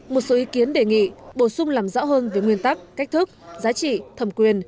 một số ý kiến đề nghị bổ sung làm rõ hơn về nguyên tắc cách thức giá trị thẩm quyền